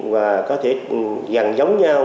và có thể gần giống nhau